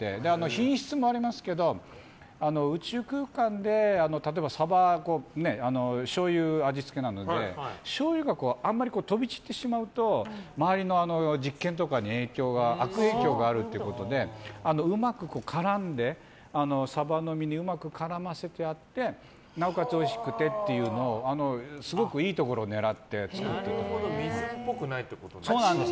品質もありますけど宇宙空間で例えばサバしょうゆ味付けなのでしょうゆがあんまり飛び散ってしまうと周りの実験とかに悪影響があるということでうまく絡んでサバの身にうまく絡ませてあってなおかつおいしくてっていうのをすごくいいところを狙って水っぽくないってことか。